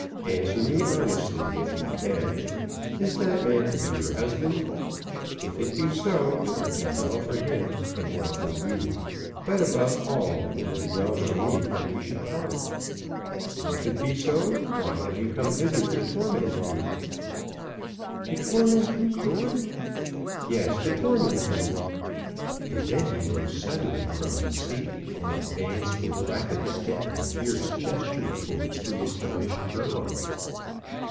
"Answer me honestly, if you can. Is that man to be your husband? If it be so it will be well for him, and well for you, but, above all, it will be well for me, that we should part. And if it be so, why have you come hither to torment me?" "To torment you, George!" "Yes; to torment me!" And then he rose suddenly from his feet, and advanced with rapid step and fierce gesture towards the astonished girl.